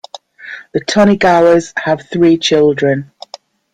The Tonegawas have three children.